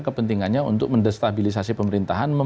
kepentingannya untuk mendestabilisasi pemerintahan